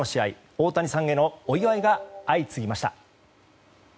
大谷さんへのお祝いが相次ぎました。